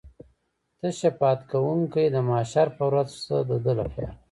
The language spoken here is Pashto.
ته شفاعت کوونکی د محشر په ورځ شه د ده لپاره.